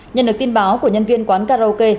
nhân được tin báo của nhân viên quán karaoke